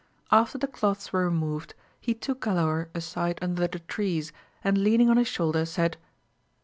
After the clothes were removed, he took Galaor aside under the trees, and leaning on his shoulder, said.